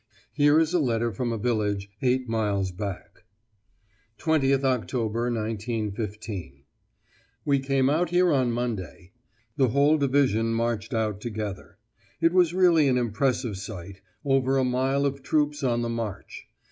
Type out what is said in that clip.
Here is a letter from a village, eight miles back: "20th Oct., 1915. We came out here on Monday. The whole division marched out together. It was really an impressive sight, over a mile of troops on the march.